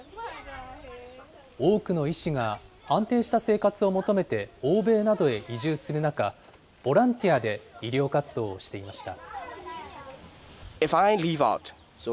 多くの医師が安定した生活を求めて欧米などへ移住する中、ボランティアで医療活動をしていました。